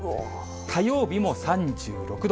火曜日も３６度。